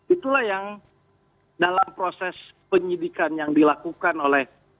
itulah yang dalam proses penyidikan yang dilakukan oleh